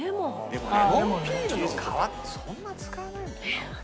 でもレモンピールの皮ってそんな使わないもんな。